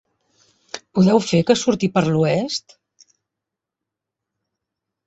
Podeu fer que surti per l'oest?